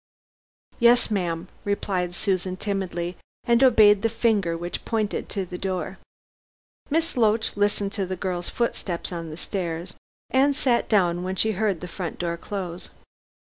"Yes, ma'am," replied Susan timidly, and obeyed the finger which pointed to the door. Miss Loach listened to the girl's footsteps on the stairs, and sat down when she heard the front door close.